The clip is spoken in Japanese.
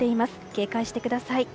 警戒してください。